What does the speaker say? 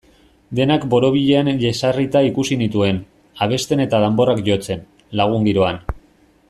Denak borobilean jesarrita ikusi nituen, abesten eta danborrak jotzen, lagun-giroan.